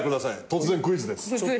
突然クイズです。